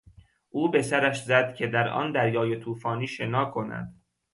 او به سرش زد که در آن دریای طوفانی شنا کند.